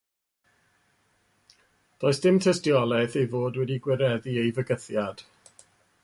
Does dim tystiolaeth ei fod wedi gwireddu ei fygythiad.